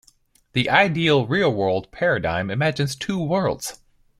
The ideal-real-world paradigm imagines two worlds.